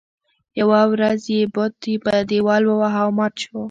يوه ورځ یې بت په دیوال وواهه او مات شو.